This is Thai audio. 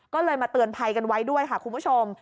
ก็เลยมาเตือนภัยกันไว้ด้วยค่ะคุณผู้ชม